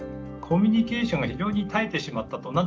コミュニケーションが非常に絶えてしまったと。